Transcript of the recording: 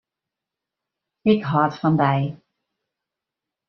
Ik hâld fan dy.